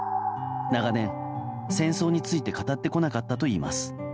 長年、戦争について語ってこなかったといいます。